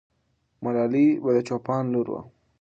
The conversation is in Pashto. ملالۍ به د چوپان لور وه.